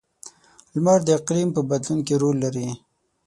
• لمر د اقلیم په بدلون کې رول لري.